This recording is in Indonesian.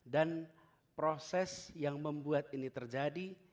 dan proses yang membuat ini terjadi